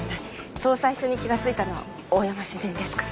そう最初に気がついたのは大山主任ですから。